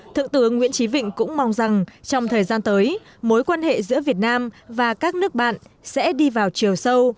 thượng tướng nguyễn trí vịnh cũng mong rằng trong thời gian tới mối quan hệ giữa việt nam và các nước bạn sẽ đi vào chiều sâu